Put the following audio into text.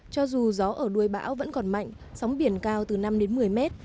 cho dù gió ở đuôi bão vẫn còn mạnh sóng biển cao từ năm đến một mươi mét